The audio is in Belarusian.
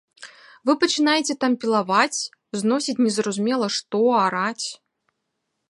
Вы пачынаеце там пілаваць, зносіць незразумела што, араць.